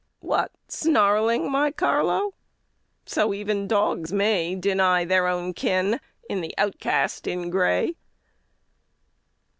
What! snarling, my Carlo! So even dogs may Deny their own kin in the outcast in gray.